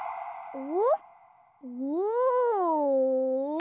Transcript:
お！